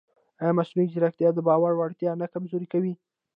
ایا مصنوعي ځیرکتیا د باور وړتیا نه کمزورې کوي؟